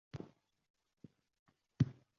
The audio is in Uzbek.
Lekin u zo‘ravon ko‘nglimni buzib